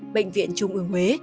bệnh viện trung ương huế